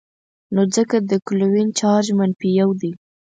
نو ځکه د کلوین چارج منفي یو دی.